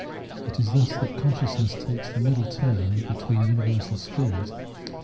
It is thus that consciousness takes as the middle term between universal spirit and its in * Cp.